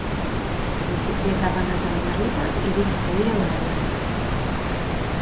Bizikleta banatan jarrita iritsiko dira udalerrira.